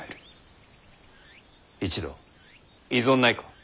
一同異存ないか。